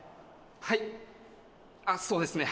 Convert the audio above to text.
はいあっそうですね